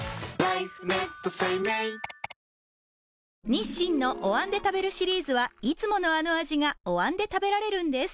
日清のお椀で食べるシリーズはいつものあの味がお椀で食べられるんです